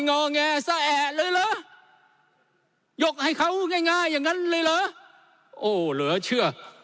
โอ้เหลือเชื่อ